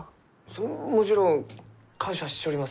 それはもちろん感謝しちょります。